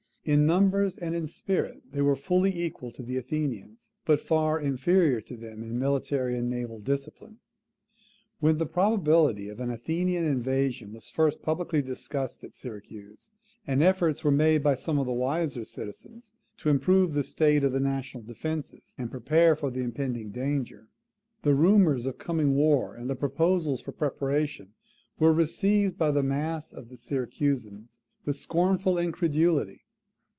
In numbers and in spirit they were fully equal to the Athenians, but far inferior to them in military and naval discipline. When the probability of an Athenian invasion was first publicly discussed at Syracuse, and efforts were made by some of the wiser citizens to improve the state of the national defences, and prepare for the impending danger, the rumours of coming war and the proposals for preparation were received by the mass of the Syracusans with scornful incredulity.